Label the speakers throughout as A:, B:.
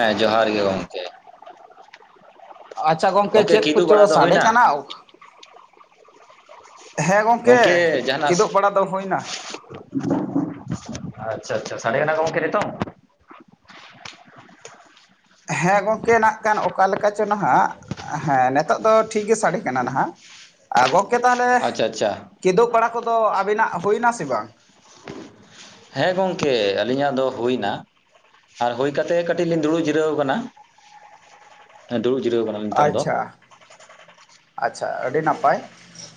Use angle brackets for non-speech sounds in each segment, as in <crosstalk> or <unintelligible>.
A: ᱦᱮᱸ ᱡᱚᱸᱦᱟᱨ ᱜᱮ ᱜᱚᱝᱠᱮ᱾
B: ᱟᱪᱪᱷᱟ ᱜᱚᱝᱠᱮ
A: ᱜᱚᱢᱠᱮ
B: ᱪᱮᱫ
A: ᱠᱤᱫᱩᱵ
B: ᱠᱚᱪᱚ
A: ᱵᱟᱲᱟ ᱫᱚ
B: ᱥᱟᱰᱮ
A: ᱦᱩᱭᱱᱟ
B: ᱠᱟᱱᱟ᱾ ᱦᱮᱸ
A: ᱜᱚᱝᱠᱮ ᱡᱟᱦᱟᱸᱱᱟᱥ
B: ᱠᱤᱫᱩᱵ ᱵᱟᱲᱟ ᱫᱚ ᱦᱩᱭᱱᱟ
A: ᱟᱪᱪᱷᱟ ᱟᱪᱪᱷᱟ ᱥᱟᱲᱮ ᱠᱟᱱᱟ ᱜᱚᱝᱠᱮ ᱱᱤᱛᱚᱝ?
B: ᱦᱮᱸ ᱜᱚᱝᱠᱮ ᱱᱟᱜ-ᱠᱷᱟᱱ ᱚᱠᱟ ᱞᱮᱠᱟ ᱪᱚᱦᱜ ᱦᱮᱸ ᱱᱮᱛ ᱛᱚᱜ ᱫᱚ ᱴᱷᱤᱠ ᱜᱮ ᱥᱟᱰᱮ ᱠᱟᱱᱟ ᱱᱟᱦᱟᱜ ᱟᱨ ᱜᱚᱝᱠᱮ ᱛᱟᱦᱚᱞᱮ
A: ᱟᱪᱪᱷᱟ ᱟᱪᱪᱷᱟ
B: ᱠᱤᱫᱩᱜ ᱵᱟᱲᱟ ᱠᱚᱫᱚ ᱟᱵᱤᱱᱟᱜ ᱦᱩᱭᱱᱟ ᱥᱮ ᱵᱟᱝ?
A: ᱦᱮᱸ ᱜᱚᱝᱠᱮ ᱟᱹᱞᱤᱧᱟᱜ ᱫᱚ ᱦᱩᱭᱱᱟ᱾ ᱟᱨ ᱦᱩᱭᱛᱮᱫ ᱠᱟᱹᱴᱤᱡ ᱞᱤᱧ ᱫᱩᱲᱩᱜ ᱡᱤᱨᱟᱹᱣ ᱠᱟᱱᱟ᱾ ᱦᱮᱸ ᱫᱩᱲᱩᱵ ᱡᱤᱨᱟᱹᱣ ᱠᱟᱱᱟᱞᱤᱧ ᱱᱤᱛᱚᱝ ᱫᱚ᱾
B: ᱟᱪᱪᱷᱟ ᱟᱪᱪᱷᱟ ᱟᱹᱰᱤ ᱱᱟᱯᱟᱭ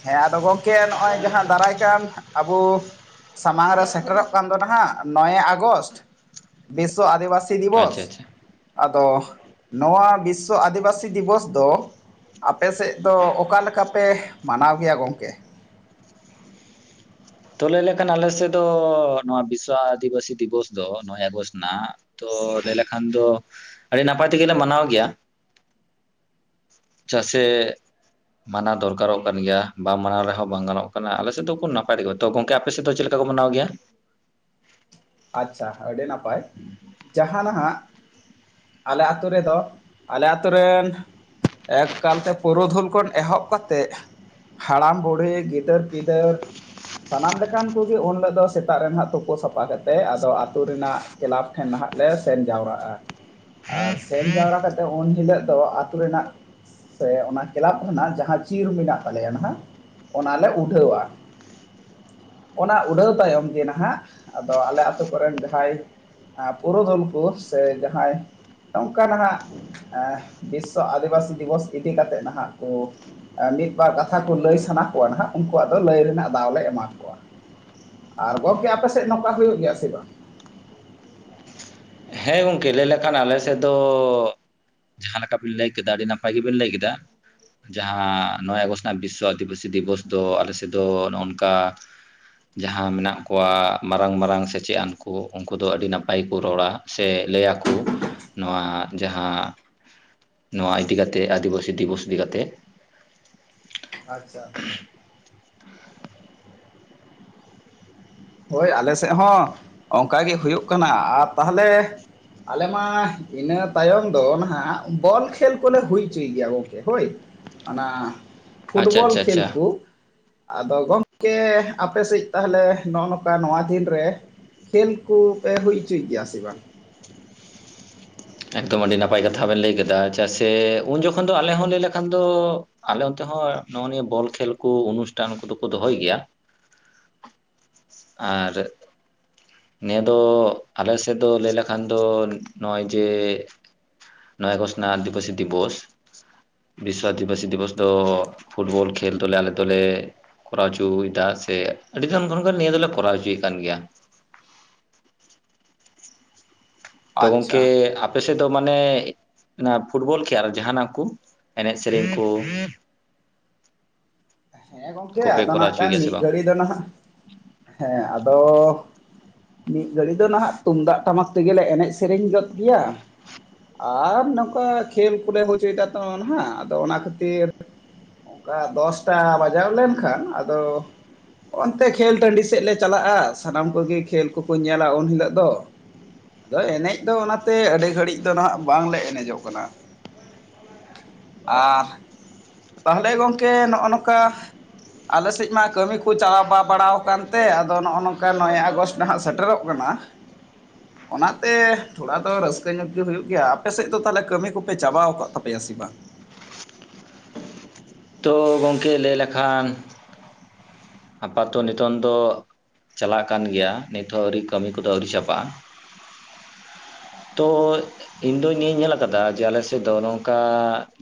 B: ᱦᱮᱸ ᱟᱫᱚ ᱜᱚᱢᱠᱮ ᱱᱚᱜᱼᱚᱭ ᱡᱟᱦᱟᱸ ᱫᱟᱨᱟᱭ ᱠᱟᱱ ᱟᱵᱚ ᱥᱟᱢᱟᱝ ᱨᱮ ᱥᱮᱴᱮᱨᱚᱜ ᱠᱟᱱ ᱫᱚ ᱱᱟᱦᱟᱜ ᱱᱚᱭᱮ ᱟᱜᱚᱥᱴ ᱵᱤᱥᱥᱚ ᱟᱹᱫᱤᱵᱟᱹᱥᱤ
A: ᱟᱪᱪᱷᱟ
B: ᱫᱤᱵᱚᱥ᱾
A: ᱟᱪᱪᱷᱟ
B: ᱟᱫᱚ ᱱᱚᱣᱟ ᱵᱤᱥᱥᱚ ᱟᱹᱫᱤᱵᱟᱹᱥᱤ ᱫᱤᱵᱚᱥ ᱫᱚ ᱟᱯᱮ ᱥᱮᱫ ᱫᱚ ᱚᱠᱟ ᱞᱮᱠᱟ ᱯᱮ ᱢᱟᱱᱟᱣ ᱜᱮᱭᱟ ᱜᱚᱝᱠᱮ?
A: ᱛᱚ ᱞᱟᱹᱭ ᱞᱮᱠᱷᱟᱱ ᱟᱞᱮ ᱥᱮᱫ ᱫᱚ ᱱᱚᱣᱟ ᱵᱤᱥᱥᱚ ᱟᱹᱫᱤᱵᱟᱹᱥᱤ ᱫᱤᱵᱚᱥ ᱫᱚ ᱱᱚᱭ ᱟᱜᱚᱥᱴ ᱨᱮᱱᱟᱜ ᱛᱚ ᱞᱟᱹᱭ ᱞᱮᱠᱷᱟᱱ ᱫᱚ ᱟᱹᱲᱤ ᱱᱟᱯᱟᱭ ᱛᱮᱜᱮ ᱞᱮ ᱢᱟᱱᱟᱣ ᱜᱮᱭᱟ᱾ ᱪᱟᱜ ᱥᱮ ᱢᱟᱱᱟᱣ ᱫᱚᱨᱠᱟᱨᱚᱜ ᱠᱟᱱ ᱜᱮᱭᱟ ᱵᱟᱢ ᱢᱟᱱᱟᱣ ᱨᱮᱦᱚᱸ ᱵᱟᱝ ᱜᱟᱱᱚᱜ ᱠᱟᱱᱟ ᱟᱞᱮ ᱥᱮᱫ ᱫᱚᱠᱚ ᱱᱟᱯ <unintelligible> ᱛᱚ ᱜᱚᱝᱠᱮ ᱟᱯᱮ ᱥᱮᱫ ᱫᱚ ᱪᱮᱫ ᱞᱮᱠᱟ ᱠᱚ ᱢᱟᱱᱟᱣ ᱜᱮᱭᱟ?
B: ᱟᱪᱪᱷᱟ ᱟᱹᱰᱤ ᱱᱟᱯᱟᱭ, ᱡᱟᱦᱟᱸ ᱱᱟᱦᱟᱜ ᱟᱞᱮ ᱟᱹᱛᱩ ᱨᱮᱫᱚ, ᱟᱞᱮ ᱟᱛᱚ ᱨᱮᱱ ᱮᱠᱟᱞᱛᱮ ᱯᱩᱨᱩᱫᱷᱩᱞ ᱠᱷᱚᱱ ᱮᱦᱚᱵ ᱠᱟᱛᱮᱫ ᱦᱟᱲᱟᱢ ᱵᱩᱲᱦᱤ ᱜᱤᱫᱟᱹᱨ ᱯᱤᱫᱟᱹᱨ ᱥᱟᱱᱟᱢ ᱞᱮᱠᱟᱱ ᱠᱚᱜᱮ ᱩᱱ ᱦᱤᱞᱳᱜ ᱫᱚ ᱥᱮᱛᱟᱜ ᱨᱮ ᱱᱟᱦᱟᱜ ᱛᱳᱯᱳ ᱥᱟᱯᱷᱟ ᱠᱟ ᱛᱮ ᱟᱫᱚ ᱟᱹᱛᱩ ᱨᱮᱱᱟᱜ ᱠᱮᱞᱟᱵᱽ ᱴᱷᱮᱱ ᱱᱟᱦᱟᱜ ᱞᱮ ᱥᱮᱱ ᱡᱟᱣᱨᱟᱜᱼᱟ᱾ ᱟᱨ ᱥᱮᱱ ᱡᱟᱣᱨᱟ ᱠᱟᱛᱮᱫ ᱩᱱ ᱦᱤᱞᱳᱜ ᱫᱚ ᱟᱹᱛᱩ ᱨᱮᱱᱟᱜ ᱥᱮ ᱚᱱᱟ ᱠᱞᱟᱵᱽ ᱠᱷᱚᱱᱟᱜ ᱡᱟᱦᱟᱸ ᱪᱤᱨ ᱢᱮᱱᱟᱜ ᱛᱟᱞᱮᱭᱟ ᱱᱟᱦᱟᱜ ᱚᱱᱟᱞᱮ ᱩᱰᱷᱟᱹᱣᱟ, ᱚᱱᱟ ᱩᱰᱷᱟᱹᱣ ᱛᱟᱭᱚᱢ ᱜᱮ ᱱᱟᱦᱟᱜ ᱟ ᱫᱚ ᱟᱞᱮ ᱟᱹᱛᱩ ᱠᱚᱨᱮᱱ ᱡᱟᱸᱦᱟᱭ ᱯᱩᱨᱩᱫᱷᱩᱞ ᱠᱩ ᱥᱮ ᱡᱟᱦᱟᱸᱭ ᱱᱚᱝᱠᱟ ᱱᱟᱦᱟᱜ ᱮᱸ ᱵᱤᱥᱥᱚ ᱟᱹᱫᱤᱵᱟᱹᱥᱤ ᱫᱤᱵᱚᱥ ᱤᱫᱤ ᱠᱟᱛᱮᱫ ᱱᱟᱦᱟᱜ ᱠᱚ ᱮᱸ ᱢᱤᱫᱵᱟᱨ ᱠᱟᱛᱷᱟ ᱠᱚ ᱞᱟᱹᱭ ᱥᱟᱱᱟ ᱠᱚᱣᱟ ᱱᱟᱦᱟᱜ ᱩᱱᱠᱩ ᱟᱫᱚ ᱞᱟᱹᱭ ᱨᱮᱱᱟᱜ ᱫᱟᱣ ᱞᱮ ᱮᱢᱟ ᱠᱚᱣᱟ᱾ ᱟᱨ ᱜᱚᱝᱠᱮ ᱟᱯᱮ ᱥᱮᱫ ᱱᱚᱝᱠᱟ ᱦᱩᱭᱩᱜ ᱜᱮᱭᱟ ᱥᱮ ᱵᱟᱝ?
A: ᱦᱮᱸ ᱜᱚᱝᱠᱮ ᱞᱟᱹᱭ ᱞᱮᱠᱷᱟᱱ ᱟᱞᱮ ᱥᱮᱫ ᱫᱚ ᱡᱟᱸᱦᱟᱸ ᱞᱮᱠᱟ ᱵᱤᱱ ᱞᱟᱹᱭ ᱠᱮᱫᱟ ᱟᱹᱰᱤ ᱱᱟᱯᱟᱭ ᱜᱮᱵᱤᱱ ᱞᱟᱹᱭ ᱠᱮᱫᱟ᱾ ᱡᱟᱸᱦᱟᱸ ᱱᱚᱭ ᱟᱜᱚᱥᱴ ᱨᱮᱱᱟᱜ ᱵᱤᱥᱥᱚ ᱟᱹᱫᱤᱵᱟᱹᱥᱤ ᱫᱤᱵᱚᱥ ᱫᱚ ᱟᱞᱮ ᱥᱮᱫ ᱫᱚ ᱱᱚᱜᱚᱱᱠᱟ ᱡᱟᱸᱦᱟᱸ ᱢᱮᱱᱟᱜ ᱠᱚᱣᱟ ᱢᱟᱨᱟᱝ ᱢᱟᱨᱟᱝ ᱥᱮᱪᱮᱫ ᱟᱱ ᱠᱩ ᱩᱱᱠᱩ ᱫᱚ ᱟᱹᱰᱤ ᱱᱟᱯᱟᱭ ᱠᱚ ᱨᱚᱲᱟ, ᱥᱮ ᱞᱟᱹᱭ ᱟᱠᱩ ᱱᱚᱣᱟ ᱡᱟᱸᱦᱟᱸ ᱱᱚᱣᱟ ᱤᱫᱤ ᱠᱟᱛᱮ ᱟᱹᱫᱤᱵᱟᱹᱥᱤ ᱫᱤᱵᱚᱥ ᱤᱫᱤ ᱠᱟᱛᱮ,
B: ᱟᱪᱪᱷᱟ ᱦᱳᱭ ᱟᱞᱮ ᱥᱮᱫ ᱦᱚᱸ ᱚᱱᱠᱟ ᱜᱮ ᱦᱩᱭᱩᱜ ᱠᱟᱱᱟ ᱟᱨ ᱛᱟᱦᱚᱞᱮ, ᱟᱞᱮ ᱢᱟ ᱤᱱᱟᱹ ᱛᱟᱭᱚᱢ ᱫᱚ ᱱᱟᱦᱟᱜ ᱵᱚᱞ ᱠᱷᱮᱞ ᱠᱚᱞᱮ ᱦᱩᱭ ᱦᱚᱪᱚᱭ ᱜᱮᱭᱟ ᱜᱚᱝᱠᱮ ᱦᱳᱭ᱾ ᱟᱱᱟ
A: ᱟᱪᱪᱷᱟ
B: ᱯᱷᱩᱴᱵᱚᱞ
A: ᱟᱪᱪᱷᱟ
B: ᱠᱷᱮᱞ
A: ᱟᱪᱪᱷᱟ
B: ᱠᱩ ᱟᱫᱚ ᱜᱚᱢᱠᱮ ᱟᱯᱮᱥᱮᱫ ᱛᱟᱦᱚᱞᱮ ᱱᱚᱜᱼᱚ ᱱᱚᱠᱟ ᱱᱚᱣᱟ ᱫᱤᱱ ᱨᱮ ᱠᱷᱮᱞ ᱠᱩ ᱯᱮ ᱦᱩᱭ ᱩᱪᱚᱭ ᱜᱮᱭᱟ ᱥᱮ ᱵᱟᱝ?
A: ᱮᱠᱫᱚᱢ ᱟᱹᱰᱤ ᱱᱟᱯᱟᱭ ᱠᱟᱛᱷᱟ ᱵᱮᱱ ᱞᱟᱹᱭ ᱠᱟᱫᱟ ᱪᱟᱜ ᱥᱮ ᱩᱱ ᱡᱚᱠᱷᱚᱱ ᱫᱚ ᱟᱞᱮ ᱦᱚᱸ ᱞᱟᱹᱭ ᱞᱮᱠᱷᱟᱱ ᱫᱚ ᱟᱞᱮ ᱚᱱᱛᱮ ᱦᱚᱸ ᱱᱚᱜᱼᱚ ᱱᱤᱭᱟᱹ ᱵᱚᱞ ᱠᱷᱮᱞ ᱠᱩ ᱚᱱᱩᱥᱴᱷᱟᱱ ᱠᱚᱫᱩ ᱠᱚ ᱫᱚᱦᱚᱭ ᱜᱮᱭᱟ᱾ ᱟᱨ ᱱᱤᱭᱟᱹ ᱫᱚ ᱟᱞᱮᱥᱮᱫ ᱫᱚ ᱞᱟᱹᱭ ᱞᱮᱠᱷᱟᱱ ᱫᱚ ᱱᱚᱜᱚᱭ ᱡᱮ ᱱᱚᱭ ᱟᱜᱚᱥᱴ ᱱᱟᱜ ᱟᱫᱤᱵᱟᱹᱥᱤ ᱫᱤᱵᱚᱥ ᱵᱤᱥᱥᱚ ᱟᱹᱫᱤᱵᱟᱹᱥᱤ ᱫᱤᱵᱚᱥ ᱫᱚ ᱯᱷᱩᱴᱵᱚᱞ ᱠᱷᱮᱞ ᱫᱚᱞᱮ ᱟᱞᱮ ᱫᱚᱞᱮ ᱠᱚᱨᱟᱣ ᱩᱪᱩᱭᱮᱫᱟ ᱥᱮ ᱟᱹᱰᱤ ᱜᱟᱱ <unintelligible> ᱱᱤᱭᱟᱹ ᱫᱚᱞᱮ ᱠᱚᱨᱟᱣ ᱚᱪᱚᱭᱮᱫ ᱠᱟᱱ ᱜᱮᱭᱟ᱾ ᱛᱚ
B: ᱟᱪᱪᱷᱟ
A: ᱜᱚᱝᱠᱮ ᱟᱯ ᱯᱟᱥᱮᱫ ᱫᱚ ᱢᱟᱱᱮ ᱚᱱᱟ ᱯᱷᱩᱴᱵᱚᱞ ᱠᱷᱮ ᱟᱨ ᱡᱟᱦᱟᱱᱟᱜ ᱠᱩ ᱮᱱᱮᱡ ᱥᱮᱨᱮᱧ ᱠᱩ <inaudible>
B: ᱦᱮᱸ ᱜᱚᱝᱠᱮ
A: ᱠᱚᱯᱮ
B: ᱟᱫᱚ
A: ᱠᱚᱨᱟᱣ ᱦᱚᱪᱚᱭ
B: ᱱᱟᱜᱠᱷᱟᱱ
A: ᱜᱮᱭᱟ ᱥᱮ
B: ᱢᱤᱫ
A: ᱵᱟᱝ
B: ᱜᱷᱟᱹᱲᱤ ᱫᱚ ᱱᱟᱦᱟᱜ ᱦᱮᱸ ᱟᱫᱚ ᱢᱤᱫ ᱜᱷᱟᱹᱲᱤ ᱫᱚ ᱱᱟᱦᱟᱜ ᱛᱩᱢᱫᱟᱜ ᱴᱟᱢᱟᱠ ᱛᱮᱜᱮᱞᱮ ᱮᱱᱮᱡ ᱥᱮᱨᱮᱧ ᱜᱚᱫ ᱜᱮᱭᱟ ᱟᱨ ᱱᱚᱝᱠᱟ ᱠᱷᱮᱞ ᱠᱚᱞᱮ ᱦᱚᱪᱚᱭᱮᱫᱟ ᱛᱚ ᱱᱟᱦᱟᱜ ᱟᱫᱚ ᱚᱱᱟ ᱠᱷᱟᱹᱛᱤᱨ ᱚᱱᱠᱟ ᱫᱚᱥᱴᱟ ᱵᱟᱡᱟᱣ ᱞᱮᱱᱠᱷᱟᱱ ᱟᱫᱚ ᱚᱱᱛᱮ ᱠᱷᱮᱞ ᱴᱟᱺᱰᱤ ᱥᱮᱫ ᱞᱮ ᱪᱟᱞᱟᱜᱼᱟ ᱥᱟᱱᱟᱢ ᱠᱚᱜᱤ ᱠᱷᱮᱞ ᱠᱚᱠᱚ ᱧᱮᱞᱟ ᱩᱱ ᱦᱤᱞᱳᱜ ᱫᱚ᱾ ᱟᱫᱚ ᱮᱱᱮᱡ ᱫᱚ ᱚᱱᱟ ᱛᱮ ᱟᱹᱰᱤ ᱜᱷᱟᱹᱲᱤᱡ ᱫᱚ ᱦᱟᱜ ᱵᱟᱝ ᱞᱮ ᱮᱱᱮᱡᱚᱜ ᱠᱟᱱᱟ᱾ ᱟᱨ ᱛᱟᱦᱞᱮ ᱜᱚᱝᱠᱮ ᱱᱚᱜᱼᱚᱭ ᱱᱚᱝᱠᱟ ᱟᱞᱮᱥᱮᱫ ᱢᱟ ᱠᱟᱹᱢᱤ ᱠᱚ ᱪᱟᱞᱟᱣ ᱵᱟ ᱵᱟᱲᱟ ᱟᱠᱟᱱ ᱛᱮ, ᱟᱫᱚ ᱱᱚᱜᱼᱚᱭ ᱱᱚᱝᱠᱟ ᱱᱚᱭᱮ ᱟᱜᱚᱥᱴ ᱱᱟᱜ ᱥᱮᱴᱮᱨᱚᱜ ᱠᱟᱱᱟ᱾
A: <inaudible>
B: ᱚᱱᱟᱛᱮ ᱛᱷᱚᱲᱟ ᱫᱚ ᱨᱟᱹᱥᱠᱟᱹ ᱧᱚᱜ ᱜᱮ ᱦᱩᱭᱩᱜ ᱜᱮᱭᱟ᱾ ᱟᱯᱮᱥᱮᱫ ᱫᱚ ᱛᱟᱦᱚᱞᱮ ᱠᱟᱹᱢᱤ ᱠᱚᱯᱮ ᱪᱟᱵᱟᱣ ᱟᱠᱟᱫ ᱛᱟᱯᱮᱭᱟ ᱥᱮ ᱵᱟᱝ?
A: ᱛᱚ ᱜᱚᱢᱠᱮ ᱞᱟᱹᱭ ᱞᱮᱠᱷᱟᱱ ᱟᱯᱟᱛᱚ ᱱᱤᱛᱚᱝ ᱫᱚ ᱪᱟᱞᱟᱜ ᱠᱟᱱ ᱜᱮᱭᱟ, ᱱᱤᱛᱚᱜ ᱦᱚᱸ ᱟᱹᱣᱨᱤ ᱠᱟᱹᱢᱤ ᱠᱚᱫᱚ ᱟᱹᱣᱨᱤ ᱪᱟᱵᱟᱜᱼᱟ᱾ ᱛᱚ ᱤᱧᱫᱚ ᱱᱤᱭᱟᱹᱧ ᱧᱮᱞ ᱟᱠᱟᱫᱟ ᱡᱮ ᱟᱞᱮ ᱥᱮᱫ ᱫᱚ ᱱᱚᱝᱠᱟ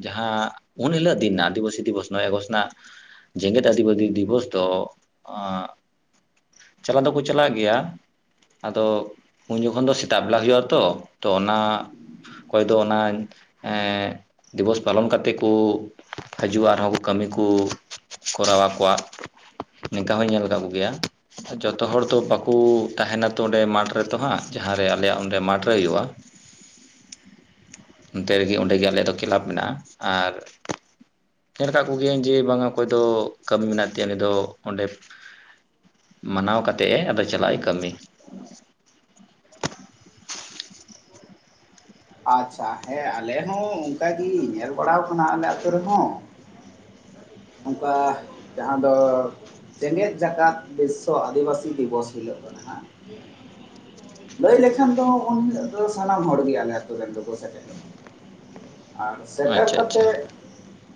A: ᱡᱟᱦᱟᱸ ᱩᱱ ᱦᱤᱞᱚᱜ ᱫᱤᱱ ᱟᱫᱤᱵᱟᱥᱤ ᱫᱤᱵᱚᱥ ᱱᱚᱭ ᱮᱜᱚᱥᱴ ᱨᱮᱱᱟᱜ ᱡᱮᱜᱮᱛ ᱟᱫᱤᱵᱟᱥᱤ ᱫᱤᱵᱚᱥ ᱛᱚ ᱪᱟᱞᱟ ᱫᱚᱠᱚ ᱪᱟᱞᱟᱜ ᱜᱮᱭᱟ᱾ ᱟᱫᱚ ᱩᱱ ᱡᱚᱠᱷᱚᱱ ᱫᱚ ᱥᱮᱛᱟᱜ ᱵᱮᱞᱟ ᱦᱩᱭᱩᱜᱼᱟ ᱛᱚ, ᱚᱱᱟ ᱚᱠᱚᱭ ᱫᱚ ᱚᱱᱟ ᱮᱸ ᱫᱤᱵᱚᱥ ᱯᱟᱞᱚᱱ ᱠᱟᱛᱮ ᱠᱚ ᱦᱟᱡᱩᱜᱼᱟ᱾ ᱱᱚᱣᱟ ᱠᱚ ᱠᱟᱹᱢᱤ ᱠᱚ ᱠᱚᱨᱟᱣᱟ ᱟᱠᱚᱣᱟᱜᱼᱟ᱾ ᱱᱤᱝᱠᱟ ᱦᱚᱧ ᱧᱮᱞ ᱠᱟᱜ ᱜᱮᱭᱟ᱾ ᱡᱚᱛᱚ ᱦᱚᱲ ᱫᱚ ᱵᱟᱠᱚ ᱛᱟᱦᱮᱱᱟ ᱛᱚ ᱚᱸᱰᱮ ᱢᱟᱴᱷ ᱨᱮᱛᱚ ᱦᱟᱸᱜ, ᱡᱟᱦᱟᱸ ᱨᱮ ᱟᱞᱮᱭᱟᱜ ᱚᱸᱰᱮ ᱢᱟᱴᱷ ᱨᱮ ᱦᱩᱭᱩᱜᱼᱟ᱾ ᱚᱱᱛᱮ ᱨᱮᱜᱮ ᱚᱸᱰᱮ ᱜᱮ ᱟᱞᱮᱭᱟᱜ ᱫᱚ ᱠᱞᱟᱵᱽ ᱢᱮᱱᱟᱜᱼᱟ ᱾ ᱟᱨ ᱧᱮᱞ ᱟᱠᱟᱫ ᱠᱚᱜᱮᱭᱟᱹᱧ ᱡᱮ ᱵᱟᱝ ᱚᱠᱚᱭ ᱫᱚ ᱠᱟᱹᱢᱤ ᱢᱮᱱᱟᱜ ᱩᱱᱤ ᱫᱚ ᱚᱸᱰᱮ ᱢᱟᱱᱟᱣ ᱠᱟᱛᱮᱜ ᱮ ᱟᱫᱚ ᱪᱟᱞᱟᱜᱼᱟ ᱠᱟᱹᱢᱤ᱾
B: ᱟᱪᱪᱷᱟ, ᱦᱮᱸ ᱟᱞᱮ ᱦᱚᱸ ᱚᱱᱠᱟ ᱜᱮ ᱧᱮᱞ ᱵᱟᱲᱟᱣ ᱠᱟᱱᱟ, ᱟᱞᱮ ᱟᱹᱛᱩ ᱨᱮᱦᱚᱸ᱾ ᱱᱚᱝᱠᱟ ᱡᱟᱦᱟᱸ ᱫᱚ, ᱡᱮᱜᱮᱛ ᱡᱟᱠᱟᱛ ᱵᱤᱥᱥᱚ ᱟᱹᱫᱤᱵᱟᱹᱥᱤ ᱫᱤᱵᱚᱥ ᱦᱤᱞᱚᱜ ᱫᱚ ᱱᱟᱦᱟᱜ ᱞᱟᱹᱭ ᱞᱮᱠᱷᱟᱱ ᱫᱚ ᱩᱱ ᱦᱤᱞᱳᱜ ᱫᱚ ᱥᱟᱱᱟᱢ ᱦᱚᱲ ᱜᱮ ᱟᱞᱮ ᱟᱹᱛᱩ ᱨᱮᱱ ᱫᱚᱠᱚ ᱥᱮᱴᱮᱨᱚᱜᱼᱟ᱾ ᱟᱨ ᱥᱮᱴᱮᱨ
A: ᱟᱪᱪᱷᱟ ᱟᱪᱪᱷᱟ
B: ᱠᱟᱛᱮᱫ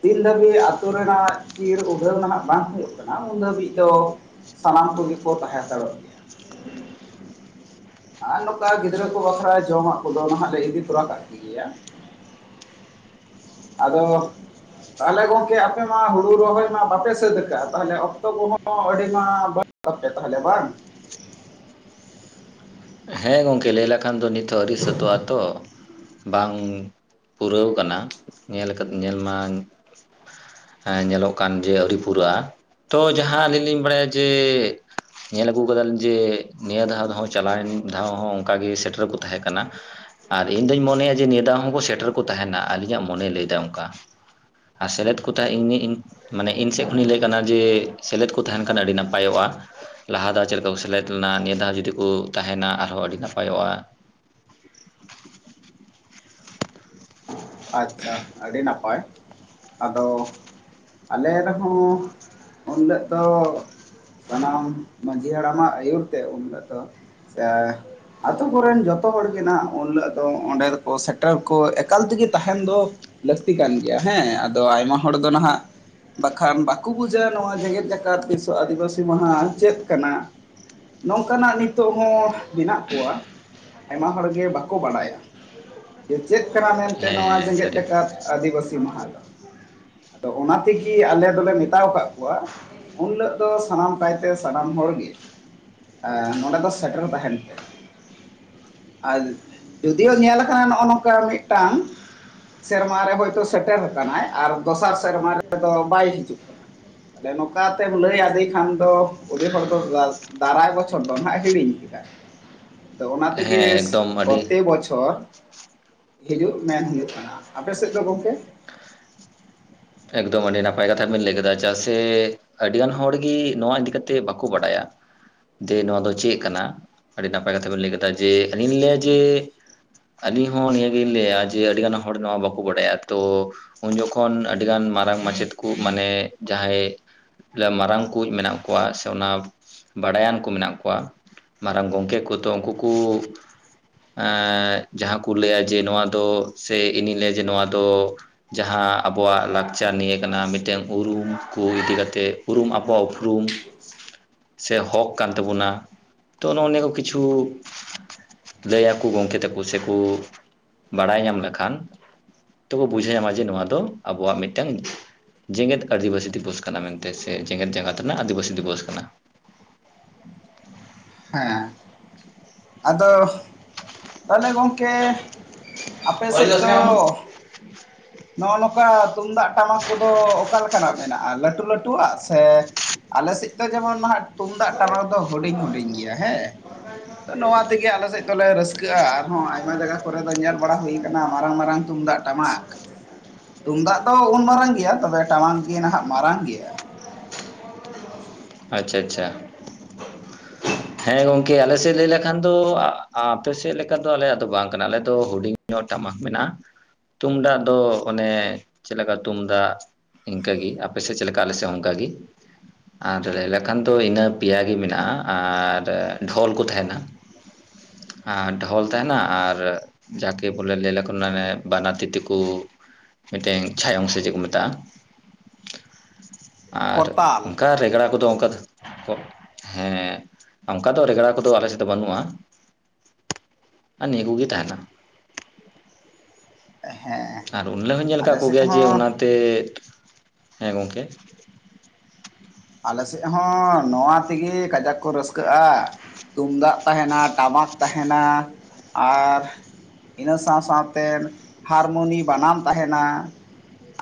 B: ᱛᱤᱱ ᱫᱷᱟᱹᱵᱤᱡ ᱟᱹᱛᱩ ᱨᱮᱱᱟᱜ ᱪᱤᱨ ᱩᱰᱷᱟᱹᱣ ᱱᱟᱦᱟᱜ ᱵᱟᱝ ᱦᱩᱭᱩᱜ ᱠᱟᱱᱟ, ᱩᱱ ᱫᱷᱟᱹᱵᱤᱡ ᱫᱚ ᱥᱟᱱᱟᱢ ᱠᱚᱜᱮ ᱠᱚ ᱛᱟᱦᱮᱸ ᱦᱟᱛᱟᱲᱚᱜᱼᱟ᱾ ᱟᱨ ᱱᱚᱝᱠᱟ ᱜᱤᱫᱽᱨᱟᱹ ᱠᱚ ᱵᱟᱹᱠᱷᱨᱟ ᱡᱚᱢᱟᱜ ᱠᱚᱫᱚ ᱱᱟᱦᱟᱜ ᱞᱮ ᱤᱫᱤ ᱛᱚᱨᱟ ᱠᱟᱜ ᱠᱮ ᱜᱮᱭᱟ᱾ ᱟᱫᱚ, ᱛᱟᱦᱞᱮ ᱜᱚᱝᱠᱮ ᱟᱯᱮ ᱢᱟ ᱦᱩᱲᱩ ᱨᱚᱦᱚᱭ ᱢᱟ ᱵᱟᱯᱮ ᱥᱟᱹᱛ ᱠᱟᱜᱼᱟ? ᱛᱟᱦᱚᱞᱮ ᱚᱠᱛᱚ ᱠᱚᱦᱚᱸ ᱟᱹᱰᱤᱢᱟ ᱵᱟᱹᱲ <unintelligible> ᱯᱮ ᱛᱟᱦᱚᱞᱮ ᱵᱟᱝ?
A: ᱦᱮᱸ ᱜᱚᱢᱠᱮ ᱞᱟᱹᱭ ᱞᱮᱠᱷᱟᱱ ᱫᱚ ᱱᱤᱛ ᱦᱚᱸ ᱟᱹᱣᱨᱤ ᱥᱟᱹᱛᱚᱜᱼᱟ ᱛᱚ᱾ ᱵᱟᱝ ᱯᱩᱨᱟᱹᱣ ᱠᱟᱱᱟ, ᱧᱮᱞ ᱧᱮᱞ ᱢᱟ ᱧᱮᱞᱚᱜ ᱠᱟᱱ ᱡᱮ ᱟᱹᱣᱨᱤ ᱯᱩᱨᱟᱹᱜ-ᱟ᱾ ᱛᱚ ᱡᱟᱦᱟᱸ ᱟᱹᱞᱤᱧ ᱞᱤᱧ ᱵᱟᱲᱟᱭᱟ ᱡᱮ ᱧᱮᱞ ᱟᱹᱜᱩ ᱠᱟᱫᱟᱞᱤᱧ ᱡᱮ ᱱᱤᱭᱟᱹ ᱫᱷᱟᱣ ᱦᱚᱸ ᱪᱟᱞᱟᱣᱮᱱ ᱫᱷᱟᱣ ᱦᱚᱸ ᱚᱱᱠᱟᱜ ᱜᱮ ᱥᱮᱴᱮᱨ ᱠᱚ ᱛᱟᱦᱮᱸ ᱠᱟᱱᱟ᱾ ᱟᱨ ᱤᱧ ᱫᱩᱧ ᱢᱚᱱᱮᱭᱟ ᱡᱮ ᱱᱤᱭᱟᱹ ᱫᱷᱟᱣ ᱦᱚᱸᱠᱚ ᱥᱮᱴᱮᱨ ᱠᱚ ᱛᱟᱦᱮᱱᱟ᱾ ᱟᱹᱞᱤᱧᱟᱜ ᱢᱚᱱᱮ ᱞᱟᱹᱭ ᱮᱫᱟ ᱚᱱᱠᱟ᱾ ᱟᱨ ᱥᱮᱞᱮᱫ ᱠᱚ ᱛᱟᱦᱮᱸ ᱤᱧ ᱜᱤ ᱤᱧ ᱢᱟᱱᱮ ᱤᱧ ᱥᱮᱫ ᱠᱷᱚᱱᱤᱧ ᱞᱟᱹᱭ ᱠᱟᱱᱟ ᱡᱮ ᱥᱮᱞᱮᱫ ᱠᱚ ᱛᱟᱦᱮᱱ ᱠᱷᱟᱱ ᱟᱹᱰᱤ ᱱᱟᱯᱟᱭᱚᱜᱼᱟ᱾ ᱞᱟᱦᱟ ᱫᱷᱟᱣ ᱪᱮᱫ ᱞᱮᱠᱟ ᱠᱚ ᱥᱮᱞᱮᱫ ᱞᱮᱱᱟ? ᱱᱤᱭᱟᱹ ᱫᱷᱟᱣ ᱡᱩᱫᱤ ᱠᱚ ᱛᱟᱦᱮᱱᱟ ᱟᱨᱦᱚᱸ ᱟᱹᱰᱤ ᱱᱟᱯᱟᱭᱚᱜᱼᱟ᱾
B: ᱟᱪᱪᱷᱟ, ᱟᱹᱰᱤ ᱱᱟᱯᱟᱭ᱾ ᱟᱫᱚ ᱟᱞᱮ ᱨᱮᱦᱚᱸ ᱩᱱᱟᱹᱜ ᱫᱚ ᱥᱟᱱᱟᱢ ᱢᱟᱺᱡᱷᱤ ᱦᱟᱲᱟᱢᱟᱜ ᱟᱹᱭᱩᱨ ᱛᱮ ᱩᱱᱦᱤᱞᱚᱜ ᱫᱚ ᱥᱮ ᱟᱹᱛᱩ ᱠᱚᱨᱮᱱ ᱡᱷᱚᱛᱚ ᱦᱚᱲ ᱜᱮ ᱱᱟᱜ ᱩᱱ ᱦᱤᱞᱚᱜ ᱫᱚ ᱚᱸᱰᱮ ᱫᱚᱠᱚ ᱥᱮᱴᱮᱨ ᱠᱚ ᱮᱠᱟᱞ ᱛᱮᱜᱮ ᱛᱟᱦᱮᱱ ᱫᱚ ᱞᱟᱹᱠᱛᱤ ᱠᱟᱱ ᱜᱮᱭᱟ ᱦᱮᱸ, ᱟᱫᱚ ᱟᱭᱢᱟ ᱦᱚᱲ ᱫᱚ ᱱᱟᱦᱟᱜ ᱵᱟᱠᱷᱟᱱ ᱵᱟᱠᱚ ᱵᱩᱡᱟᱣᱟ ᱱᱚᱣᱟ ᱡᱮᱜᱮᱛ ᱡᱟᱠᱟᱛ ᱵᱤᱥᱥᱚ ᱟᱹᱫᱤᱵᱟᱹᱥᱤ ᱢᱟᱦᱟ ᱪᱮᱫ ᱠᱟᱱᱟ᱾ ᱱᱚᱝᱠᱟᱱᱟᱜ ᱱᱤᱛᱚᱜ ᱦᱚᱸ ᱢᱮᱱᱟᱜ ᱠᱚᱣᱟ ᱟᱭᱢᱟ ᱦᱚᱲ ᱜᱮ ᱵᱟᱠᱚ ᱵᱟᱰᱟᱭᱟ᱾ ᱪᱮᱫ ᱠᱟᱱᱟ ᱢᱮᱱᱛᱮ
A: ᱦᱮᱸ
B: ᱱᱚᱣᱟ
A: ᱦᱮᱸ
B: ᱡᱮᱜᱮᱛ
A: ᱥᱟᱹᱨᱤ
B: ᱡᱟᱠᱟᱛ ᱟᱹᱫᱤᱵᱟᱹᱥᱤ ᱢᱟᱦᱟ ᱫᱚ᱾ ᱟᱫᱚ ᱚᱱᱟ ᱛᱮᱜᱮ ᱟᱞᱮ ᱫᱚᱞᱮ ᱢᱮᱛᱟᱣ ᱠᱟᱜ ᱠᱚᱣᱟ ᱩᱱ ᱦᱤᱞᱳᱜ ᱫᱚ ᱥᱟᱱᱟᱢ ᱠᱟᱭᱛᱮ ᱥᱟᱱᱟᱢ ᱦᱚᱲ ᱜᱮ, ᱱᱚᱰᱮ ᱫᱚ ᱥᱮᱴᱮᱨ ᱛᱟᱦᱮᱱ ᱯᱮ᱾ ᱟᱨ ᱡᱩᱫᱤᱭᱳ ᱧᱮᱞ ᱟᱠᱟᱱᱟ ᱱᱚᱜᱼᱚ ᱱᱚᱝᱠᱟ ᱢᱤᱫᱴᱟᱝ ᱥᱮᱨᱢᱟᱨ ᱨᱮ ᱦᱳᱭᱛᱳ ᱥᱮᱴᱮᱨ ᱠᱟᱱᱟᱭ ᱟᱨ ᱫᱚᱥᱟᱨ ᱥᱮᱨᱢᱟ ᱨᱮᱫᱚ ᱵᱟᱭ ᱦᱤᱡᱩᱜ ᱠᱟᱱᱟ᱾ ᱛᱟᱦᱚᱞᱮ ᱱᱚᱝᱠᱟᱛᱮᱢ ᱞᱟᱹᱭ ᱟᱫᱮ ᱠᱷᱟᱱ ᱫᱚ ᱟᱹᱰᱤ ᱦᱚᱲ ᱫᱚ ᱫᱟᱨᱟᱭ ᱵᱚᱪᱷᱚᱨ ᱫᱚ ᱱᱟᱜ ᱦᱤᱲᱤᱧ ᱠᱮᱫᱟᱭ᱾
A: <unintelligible>
B: ᱛᱚ ᱚᱱᱟ ᱛᱮᱜᱮ
A: ᱦᱮᱸ ᱮᱠᱫᱚᱢ ᱟᱹᱰᱤ
B: ᱯᱨᱚᱛᱤ ᱵᱚᱪᱷᱚᱨ ᱦᱤᱡᱩᱜ ᱢᱮᱱ ᱦᱩᱭᱩᱜ ᱠᱟᱱᱟ᱾ ᱟᱯᱮ ᱥᱮᱫ ᱫᱚ ᱜᱚᱝᱠᱮ?
A: ᱮᱠᱫᱚᱢ ᱟᱹᱰᱤ ᱱᱟᱯᱟᱭ ᱠᱟᱛᱷᱟ ᱵᱮᱱ ᱞᱟᱹᱭ ᱠᱮᱫᱟ ᱪᱮᱫᱟᱜ ᱥᱮ ᱟᱹᱰᱤᱜᱟᱱ ᱦᱚᱲᱜᱤ ᱱᱚᱣᱟ ᱤᱫᱤ ᱠᱟᱛᱮᱫ ᱵᱟᱠᱚ ᱵᱟᱰᱟᱭᱟ᱾ ᱫᱮ ᱱᱚᱣᱟ ᱫᱚ ᱪᱮᱫ ᱠᱟᱱᱟ ᱟᱹᱰᱤ ᱱᱟᱯᱟᱭ ᱠᱟᱛᱷᱟ ᱵᱮᱱ ᱞᱟᱹᱭ ᱠᱮᱫᱟ ᱡᱮ ᱟᱹᱞᱤᱧ ᱞᱟᱹᱭᱟ ᱡᱮ ᱟᱞᱤᱧ ᱦᱚᱸ ᱱᱤᱭᱟᱹᱜᱮᱞᱤᱧ ᱞᱟᱹᱭᱟ ᱡᱮ ᱟᱹᱰᱤ ᱜᱟᱱ ᱦᱚᱲ ᱱᱚᱣᱟ ᱵᱟᱠᱚ ᱵᱟᱰᱟᱭᱟ ᱛᱚ ᱩᱱ ᱡᱚᱠᱷᱚᱱ ᱟᱹᱰᱤᱜᱟᱱ ᱢᱟᱨᱟᱝ ᱢᱟᱪᱮᱫ ᱠᱚ ᱢᱟᱱᱮ ᱡᱟᱦᱟᱸᱭ ᱢᱟᱨᱟᱝ ᱠᱚ ᱢᱮᱱᱟᱜ ᱠᱚᱣᱟ ᱥᱮ ᱚᱱᱟ ᱵᱟᱰᱟᱭᱟᱱ ᱠᱚ ᱢᱮᱱᱟᱜ ᱠᱚᱣᱟ ᱢᱟᱨᱟᱝ ᱜᱚᱝᱠᱮ ᱠᱚ ᱛᱚ ᱩᱱᱠᱩ ᱠᱚ ᱮ ᱡᱟᱦᱟᱸ ᱠᱚ ᱞᱟᱹᱭᱟ ᱡᱮ ᱱᱚᱣᱟ ᱫᱚ ᱥᱮ ᱤᱧᱤᱧ ᱞᱟᱹᱭᱟ ᱡᱮ ᱱᱚᱣᱟ ᱫᱚ ᱡᱟᱦᱟᱸ ᱟᱵᱚ ᱟᱵᱚᱣᱟᱜ ᱞᱟᱠᱪᱟᱨ ᱱᱤᱭᱟᱹ ᱠᱟᱱᱟ ᱢᱤᱫᱴᱮᱱ ᱩᱨᱩᱢ ᱠᱚ ᱤᱫᱤ ᱠᱟᱛᱮᱫᱩᱨᱩᱢ ᱟᱠᱵᱚᱣᱟᱜ ᱩᱯᱨᱩᱢ ᱥᱮ ᱦᱚᱠ ᱠᱟᱱ ᱛᱟᱵᱚᱱᱟ ᱛᱚ ᱱᱚᱜᱼᱚ ᱱᱤᱭᱟᱹ ᱠᱚ ᱠᱤᱪᱷᱩ ᱞᱟᱹᱭ ᱟᱠᱚ ᱜᱚᱢᱠᱮ ᱛᱟᱠᱚ ᱥᱮᱠᱚ ᱵᱟᱲᱟᱭ ᱧᱟᱢ ᱞᱮᱠᱷᱟᱱ ᱛᱚᱠᱚ ᱵᱩᱡᱷᱟᱹᱣ ᱧᱟᱢᱟ ᱡᱮ ᱱᱚᱣᱟ ᱫᱚ ᱟᱵᱚᱣᱟᱜ ᱢᱤᱫᱴᱟᱝ ᱡᱮᱜᱮᱛ ᱟᱹᱫᱤᱵᱟᱹᱥᱤ ᱫᱤᱵᱚᱥ ᱠᱟᱱᱟ ᱢᱮᱱᱛᱮ ᱥᱮ ᱡᱮᱜᱮᱛ ᱡᱟᱠᱟᱛ ᱨᱮᱱᱟᱜ ᱟᱹᱫᱤᱵᱟᱹᱥᱤ ᱫᱤᱵᱚᱥ ᱠᱟᱱᱟ
B: ᱦᱮᱸ ᱟᱫᱚ
A: <inaudible>
B: ᱛᱟᱦᱚᱞᱮ ᱜᱚᱝᱠᱮ ᱟᱯᱮ ᱥᱮᱡ ᱫᱚ ᱱᱚᱜᱼᱚ ᱱᱚᱝᱠᱟ ᱛᱩᱢᱫᱟᱜ ᱴᱟᱢᱟᱠ ᱠᱚᱫᱚ ᱚᱠᱟ ᱞᱮᱠᱟᱱᱟᱜ ᱢᱮᱱᱟᱜᱼᱟ ᱞᱟᱹᱴᱩ ᱞᱟᱹᱴᱩᱣᱟᱜ ᱥᱮ ᱟᱞᱮᱥᱮᱫ ᱫᱚ ᱡᱮᱢᱚᱱ ᱱᱟᱟᱜ ᱛᱩᱢᱫᱟᱜ ᱴᱟᱢᱟᱠ ᱫᱚ ᱦᱩᱰᱤᱧ ᱦᱩᱰᱤᱧ ᱜᱮᱭᱟ ᱦᱮᱸ ᱟᱫᱚ ᱱᱚᱣᱟ ᱛᱮᱜᱮ ᱟᱞᱮ ᱥᱮᱫ ᱫᱚᱞᱮ ᱨᱟᱹᱥᱠᱟᱹ ᱠᱟᱹᱟ ᱟᱨᱦᱚᱸ ᱟᱭᱢᱟ ᱡᱟᱭᱜᱟ ᱠᱚᱨᱮ ᱫᱚ ᱧᱮᱞ ᱵᱟᱲᱟ ᱦᱩᱭ ᱟᱠᱟᱱᱟ ᱢᱟᱨᱟᱝ ᱢᱟᱨᱟᱝ ᱛᱩᱢᱫᱟᱜ ᱴᱟᱢᱟᱠ ᱟᱠ ᱛᱩᱢᱫᱟᱜ ᱫᱚ ᱩᱱ ᱢᱟᱨᱟᱝ ᱜᱮᱭᱟ ᱛᱚᱵᱮ ᱴᱟᱢᱟᱠ ᱜᱮ ᱱᱟᱦᱟᱜ ᱢᱟᱨᱟᱝ ᱜᱮᱭᱟ
A: ᱟᱪᱪᱷᱟ ᱟᱪᱪᱷᱟ ᱦᱮᱸ ᱜᱚᱝᱠᱮ ᱟᱞᱮᱥᱮᱫ ᱞᱟᱹᱭ ᱞᱮᱠᱷᱟᱱ ᱫᱚ ᱟᱯᱮᱥᱮᱫ ᱞᱮᱠᱟ ᱫᱚ ᱟᱞᱮᱭᱟᱜ ᱫᱚ ᱵᱟᱝ ᱠᱟᱱᱟ ᱟᱞᱮ ᱫᱚ ᱦᱩᱰᱤᱧ ᱦᱩᱰᱤᱧᱧᱟᱹᱜ ᱴᱟᱢᱟᱠ ᱢᱮᱱᱟᱜᱼᱟ ᱛᱩᱢᱫᱟᱜ ᱫᱚ ᱚᱱᱮ ᱪᱮᱫ ᱞᱮᱠᱟ ᱛᱩᱢᱫᱟᱜ ᱤᱱᱠᱟᱜᱮ ᱟᱯᱮᱥᱮᱫ ᱪᱮᱫᱞᱮᱠᱟ ᱟᱞᱮᱥᱮᱫ ᱦᱚᱸ ᱟᱱᱠᱟ ᱜᱮ ᱟᱨ ᱞᱟᱹᱭ ᱞᱮᱠᱷᱟᱱ ᱫᱚ ᱤᱱᱟᱹ ᱯᱮᱭᱟ ᱜᱮ ᱢᱮᱱᱟᱜᱼᱟ ᱟᱨ ᱰᱷᱚᱞ ᱠᱚ ᱛᱟᱦᱮᱱᱟ ᱟᱨ ᱰᱷᱚᱞ ᱛᱟᱦᱮᱱᱟ ᱟᱨ ᱡᱟᱠᱮ ᱵᱚᱞᱮ ᱞᱟᱹᱭᱠᱷᱟᱱ ᱚᱱᱮ ᱵᱟᱱᱟᱨ ᱛᱤ ᱛᱮ ᱠᱚ ᱢᱤᱫᱴᱮᱱ ᱪᱷᱟᱭᱚᱝ ᱥᱮ ᱪᱮᱫ ᱠᱚ ᱢᱮᱛᱟᱜᱼᱟ ᱟᱨ
B: ᱠᱚᱨᱛᱟᱞ
A: ᱚᱝᱠᱟ ᱨᱮᱜᱽᱲᱟ ᱠᱚᱫᱚ ᱚᱝᱠᱟ ᱠᱚ ᱦᱮᱸ ᱚᱱᱠᱟ ᱫᱚ ᱨᱮᱜᱽᱲᱟ ᱠᱚᱫᱚ ᱟᱞᱮ ᱥᱮᱫ ᱫᱚ ᱵᱟᱹᱱᱩᱜᱼᱟ ᱾ ᱟᱨ ᱱᱤᱭᱟᱹ ᱠᱚᱜᱮ ᱛᱟᱦᱮᱱᱟ
B: ᱦᱮᱸ
A: ᱾ ᱟᱨ ᱩᱱᱦᱤᱞᱚᱧ ᱦᱚᱧ ᱧᱮᱞ ᱠᱟᱫ
B: ᱟᱞᱮ ᱥᱮᱫ
A: ᱠᱚᱜᱮᱭᱟ ᱡᱮ
B: ᱦᱚᱸ
A: ᱚᱱᱟᱛᱮ ᱦᱮᱸ ᱜᱚᱝᱠᱮ
B: ᱟᱞᱮ ᱥᱮᱫ ᱦᱚᱸ ᱱᱚᱣᱟ ᱛᱮᱜᱮ ᱠᱟᱡᱟᱠ ᱠᱚ ᱨᱟᱹᱥᱠᱟᱹᱜᱼᱟ ᱾ ᱛᱩᱢᱫᱟᱜ ᱛᱟᱦᱮᱱᱟ ᱴᱟᱢᱟᱠ ᱛᱟᱦᱮᱱᱟ ᱟᱨ ᱤᱱᱟᱹ ᱥᱟᱶ ᱥᱟᱶᱛᱮᱱ ᱦᱟᱨᱢᱚᱱᱤ ᱵᱟᱱᱟᱢ ᱛᱟᱦᱮᱱᱟ ᱾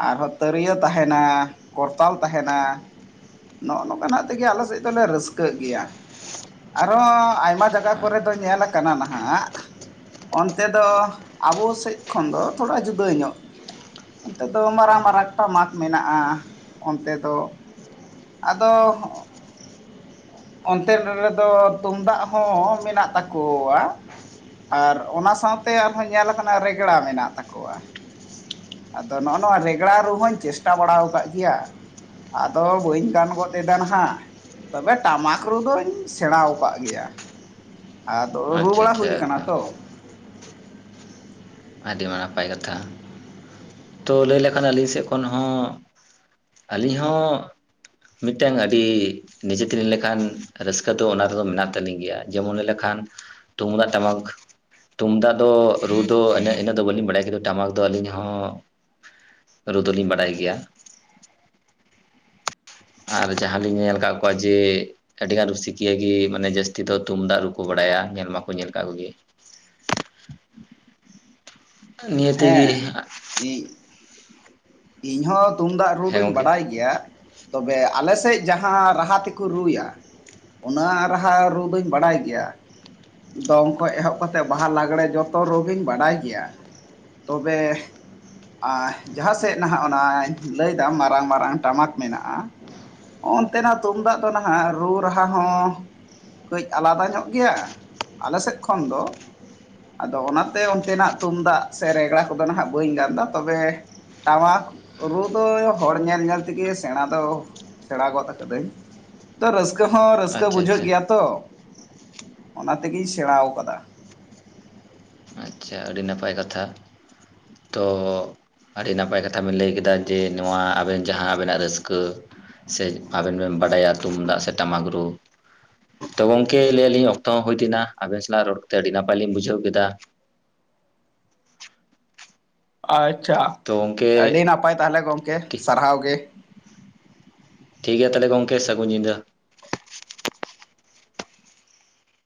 B: ᱟᱨᱦᱚᱸ ᱛᱤᱨᱭᱟᱹ ᱛᱟᱦᱮᱱᱟ ᱠᱚᱨᱛᱟᱞ ᱛᱟᱦᱮᱱᱟ ᱾ ᱱᱚᱜᱼᱱᱚᱝᱠᱟᱱᱟᱜ ᱛᱮᱜᱮ ᱟᱞᱮ ᱥᱮᱫ ᱫᱚᱞᱮ ᱨᱟᱹᱥᱠᱟᱹᱜ ᱜᱮᱭᱟ ᱾ ᱟᱨᱦᱚᱸ ᱟᱭᱢᱟ ᱡᱟᱜᱟ ᱠᱚᱨᱮ ᱫᱚ ᱧᱮᱞ ᱟᱠᱟᱱᱟ ᱱᱷᱟᱜ ᱚᱱᱛᱮ ᱫᱚ ᱟᱵᱚ ᱥᱮᱫ ᱠᱷᱚᱱ ᱫᱚ ᱛᱷᱚᱲᱟ ᱡᱩᱫᱟᱹ ᱧᱚᱜ ᱜᱮᱭᱟ ᱾ ᱚᱱᱛᱮ ᱫᱚ ᱢᱟᱨᱟᱝ ᱢᱟᱨᱟᱝ ᱴᱟᱢᱟᱠ ᱢᱮᱱᱟᱜᱼᱟ ᱚᱱᱛᱮ ᱫᱚ ᱟᱫᱚ ᱚᱱᱛᱮᱱ ᱨᱮᱫᱚ ᱛᱩᱢᱫᱟᱜ ᱦᱚᱸ ᱢᱮᱱᱟᱜ ᱛᱟᱠᱚᱣᱟ ᱾ ᱟᱨ ᱚᱱᱟ ᱥᱟᱶᱛᱮ ᱟᱨᱦᱚᱸ ᱧᱮᱞ ᱟᱠᱟᱱᱟ ᱨᱮᱜᱽᱲᱟ ᱢᱮᱱᱟᱜ ᱛᱟᱠᱚᱣᱟ ᱾ ᱟᱫᱚ ᱱᱚᱜᱼᱱᱚᱣᱟ ᱨᱮᱜᱽᱲᱟ ᱨᱩ ᱦᱚᱧ ᱪᱮᱥᱴᱟ ᱵᱟᱲᱟ ᱟᱠᱟᱫ ᱜᱮᱭᱟ ᱾ ᱟᱫᱚ ᱵᱟᱹᱧ ᱜᱟᱱ ᱜᱚᱫ ᱮᱫᱟ ᱱᱷᱟᱜ ᱾ ᱛᱚᱵᱮ ᱴᱟᱢᱟᱠ ᱨᱩ ᱫᱚᱧ ᱥᱮᱬᱟ ᱣᱟᱠᱟᱜ ᱜᱮᱭᱟ ᱾ ᱨᱩ
A: ᱟᱪᱪᱷᱟ
B: ᱵᱟᱲᱟ
A: ᱟᱪᱪᱷᱟ
B: ᱦᱩᱭ ᱟᱠᱟᱱᱟ
A: ᱮᱠᱫᱚᱢ
B: ᱛᱚ ᱾
A: ᱟᱹᱰᱤ ᱱᱟᱯᱟᱭ ᱠᱟᱛᱷᱟ ᱛᱚ ᱞᱟᱹᱭ ᱞᱮᱠᱷᱟᱱ ᱟᱹᱞᱤᱧ ᱥᱮᱫ ᱠᱷᱚᱱ ᱦᱚᱸ ᱟᱹᱞᱤᱧ ᱦᱚᱸ ᱢᱤᱫᱴᱮᱱ ᱟᱹᱰᱤ ᱱᱤᱡᱮᱛᱮᱞᱤᱧ ᱞᱮᱠᱷᱟᱱ ᱨᱟᱹᱥᱠᱟᱹ ᱫᱚ ᱚᱱᱟ ᱨᱮᱫᱚ ᱢᱮᱱᱟᱜ ᱛᱟᱹᱞᱤᱧ ᱜᱮᱭᱟ ᱡᱮᱢᱚᱱ ᱞᱟᱹᱭ ᱞᱮᱠᱷᱟᱱ ᱛᱩᱢᱫᱟᱜ ᱴᱟᱢᱟᱠ ᱛᱩᱢᱫᱟᱜ ᱫᱚ ᱨᱩ ᱫᱚ ᱮᱱᱮ ᱤᱱᱟᱹᱜ ᱫᱚ ᱵᱟᱹᱞᱤᱧ ᱵᱟᱲᱟᱭᱟ ᱠᱤᱱᱛᱩ ᱴᱟᱢᱟᱠ ᱫᱚ ᱟᱹᱞᱤᱧ ᱦᱚᱸ ᱨᱩ ᱫᱩᱞᱤᱧ ᱵᱟᱲᱟᱭ ᱜᱮᱭᱟ ᱾ ᱟᱨ ᱡᱟᱦᱟᱸ ᱞᱤᱧ ᱧᱮᱞ ᱟᱠᱟᱫ ᱠᱚᱣᱟ ᱡᱮ ᱟᱹᱰᱤ ᱜᱟᱱ ᱨᱩᱥᱤᱠᱤᱭᱟᱹ ᱜᱮ ᱢᱟᱱᱮ ᱡᱟᱹᱥᱛᱤ ᱫᱚ ᱛᱩᱢᱫᱟᱜ ᱨᱩ ᱠᱚ ᱵᱟᱲᱟᱭᱟ ᱧᱮᱞ ᱢᱟᱠᱚ ᱧᱮᱞ ᱠᱟᱜ ᱠᱚᱜᱮᱭᱟ ᱾ ᱱᱤᱭᱟᱹ ᱛᱮᱜᱮ
B: ᱦᱮᱸ ᱤᱧ ᱤᱧᱦᱚᱸ ᱛᱩᱢᱫᱟᱜ ᱨᱩ
A: ᱦᱮᱸ
B: ᱫᱩᱧ
A: ᱜᱚᱢᱠᱮ
B: ᱵᱟᱰᱟᱭ ᱜᱮᱭᱟ ᱾ ᱛᱚᱵᱮ ᱟᱞᱮᱥᱮᱫ ᱡᱟᱦᱟᱸ ᱨᱟᱦᱟ ᱛᱮᱠᱚ ᱨᱩᱭᱟ ᱚᱱᱟ ᱨᱟᱦᱟ ᱨᱩ ᱫᱩᱧ ᱵᱟᱲᱟᱭ ᱜᱮᱭᱟ ᱾ ᱫᱚᱝ ᱠᱷᱚᱱ ᱮᱦᱚᱵ ᱠᱟᱛᱮᱫ ᱵᱟᱦᱟ ᱞᱟᱜᱽᱲᱮ ᱡᱚᱛᱚ ᱨᱩ ᱜᱤᱧ ᱵᱟᱰᱟᱭ ᱜᱮᱭᱟ ᱾ ᱛᱚᱵᱮ ᱟᱻ ᱡᱟᱦᱟᱸ ᱥᱮᱫ ᱱᱷᱟᱜ ᱚᱱᱟ ᱞᱟᱹᱭᱫᱟᱢ ᱢᱟᱨᱟᱝ ᱢᱟᱨᱟᱝ ᱴᱟᱢᱟᱠ ᱢᱮᱱᱟᱜᱼᱟ ᱾ ᱚᱱᱛᱮᱱᱟᱜ ᱛᱩᱢᱫᱟᱜ ᱫᱚ ᱱᱷᱟᱜ ᱨᱩ ᱨᱟᱦᱟ ᱦᱚᱸ ᱠᱟᱹᱡ ᱟᱞᱟᱫᱟ ᱧᱚᱜ ᱜᱮᱭᱟ ᱟᱞᱮ ᱥᱮᱫ ᱠᱷᱚᱱ ᱫᱚ ᱾ ᱟᱫᱚ ᱚᱱᱟᱛᱮ ᱚᱱᱛᱮᱱᱟᱜ ᱛᱩᱢᱫᱟᱜ ᱥᱮ ᱨᱮᱜᱽᱲᱟ ᱠᱚᱫᱚ ᱱᱷᱟᱜ ᱵᱟᱹᱧ ᱜᱟᱱ ᱮᱫᱟ ᱛᱚᱵᱮ ᱴᱟᱢᱟᱠ ᱨᱩ ᱫᱚ ᱦᱚᱲ ᱧᱮᱞ ᱧᱮᱞ ᱛᱮᱜᱮ ᱥᱮᱬᱟ ᱫᱚ ᱥᱮᱬᱟ ᱜᱚᱫ ᱟᱠᱟᱹᱫᱟᱹᱧ ᱾ ᱛᱚ ᱨᱟᱹᱥᱠᱟᱹ ᱦᱚᱸ ᱨᱟᱹᱥᱠᱟᱹ
A: ᱟᱪᱪᱷᱟ
B: ᱵᱩᱡᱷᱟᱹᱜ
A: ᱟᱪᱪᱷᱟ
B: ᱜᱮᱭᱟ ᱛᱚ ᱚᱱᱟ ᱛᱮᱜᱮᱧ ᱥᱮᱬᱟ ᱟᱠᱟᱫᱟ ᱾
A: ᱟᱪᱪᱷᱟ ᱟᱹᱰᱤ ᱱᱟᱯᱟᱭ ᱠᱟᱛᱷᱟ ᱛᱚ ᱟᱹᱰᱤ ᱱᱟᱯᱟᱭ ᱠᱟᱛᱷᱟ ᱵᱮᱱ ᱞᱟᱹᱭ ᱠᱮᱫᱟ ᱡᱮ ᱱᱚᱣᱟ ᱟᱵᱮᱱ ᱡᱟᱦᱟᱸ ᱟᱵᱮᱱᱟᱜ ᱨᱟᱹᱥᱠᱟᱹ ᱥᱮ ᱟᱵᱮᱱ ᱵᱮᱱ ᱵᱟᱰᱟᱭᱟ ᱛᱩᱢᱫᱟᱜ ᱥᱮ ᱴᱟᱢᱟᱠ ᱨᱩ ᱾ ᱛᱚ ᱜᱚᱝᱠᱮ ᱞᱟᱹᱭ ᱟᱹᱞᱤᱧ ᱚᱠᱛᱚ ᱦᱚᱸ ᱦᱩᱭ ᱮᱱᱟ ᱟᱵᱮᱱ ᱥᱟᱞᱟᱜ ᱨᱚᱲ ᱠᱟᱛᱮ ᱟᱹᱰᱤ ᱱᱟᱯᱟᱭ ᱞᱤᱧ ᱵᱩᱡᱷᱟᱹᱣ ᱠᱮᱫᱟ ᱾
B: ᱟᱪᱪᱷᱟ
A: ᱛᱚ ᱜᱚᱝᱠᱮ
B: ᱟᱹᱰᱤ ᱱᱟᱯᱟᱭ ᱛᱟᱦᱚᱞᱮ ᱜᱚᱝᱠᱮ
A: ᱴᱷᱤᱠ
B: ᱥᱟᱨᱦᱟᱣ ᱜᱮ ᱾
A: ᱴᱷᱤᱠ ᱜᱮᱭᱟ ᱛᱟᱦᱚᱞᱮ ᱜᱚᱢᱠᱮ ᱥᱟᱹᱜᱩᱱ ᱧᱤᱫᱟᱹ ᱾